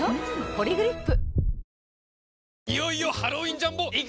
「ポリグリップ」